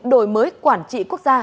đổi mới quản trị quốc gia